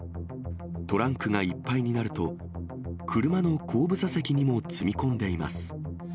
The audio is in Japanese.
トランクがいっぱいになると、車の後部座席にも積み込んでいます。